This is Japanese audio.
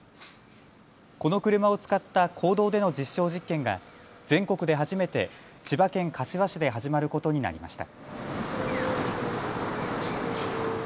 この車を使った公道での実証実験が全国で初めて千葉県柏市で始まることになりました。